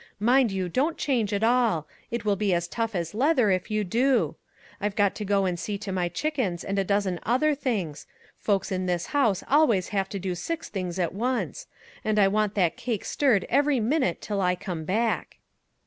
Mind you don't change at all ; it will be as tough as leather if you do. I've got to go and see to my chickens, and a dozen other things; folks in this house always have to do six things at once ; and I want that cake stirred every minute till I come back."